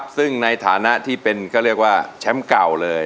ซึ่งในฐานะที่เป็นแชมป์เก่าเลย